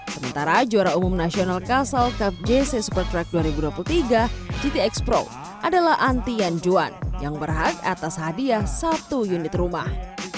sementara juara umum nasional castle cup jc super track dua ribu dua puluh tiga gtx pro adalah antian juan yang berhak atas hadiah satu unit rumah